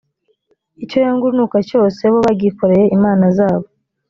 icyo yanga urunuka cyose, bo bagikoreye imana zabo: